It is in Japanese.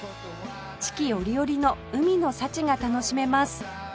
四季折々の海の幸が楽しめます